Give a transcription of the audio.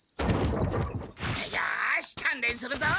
よしたんれんするぞ！